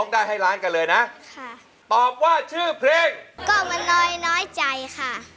ได้ให้ล้านกันเลยนะค่ะตอบว่าชื่อเพลงก็มาน้อยน้อยใจค่ะ